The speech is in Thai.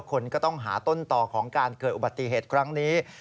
คนก็ต้องหาต้นต่อของการเกิดอุบัติเหตุครั้งนี้